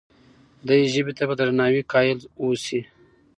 دې ژبې ته په درناوي قایل اوسئ.